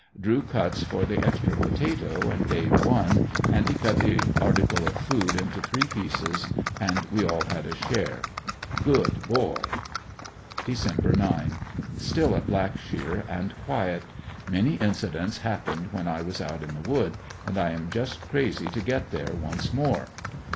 Drew cuts for the extra potato, and Dave won, and he cut that article of food into three pieces and we all had a share. Good boy. Dec. 9. — Still in Blackshear, and quiet. Many incidents hap pened when I was out in the wood, and I am just crazy to get there once more.